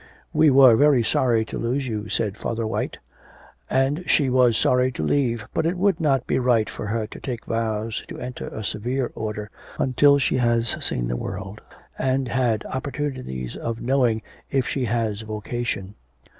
'We were very sorry to lose her,' said Father White, 'and she was sorry to leave, but it would not be right for her to take vows to enter a severe order until she has seen the world and had opportunities of knowing if she has a vocation.